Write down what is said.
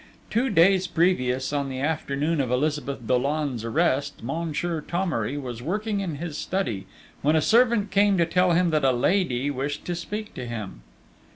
Two days previous, on the afternoon of Elizabeth Dollon's arrest, Monsieur Thomery was working in his study, when a servant came to tell him that a lady wished to speak to him.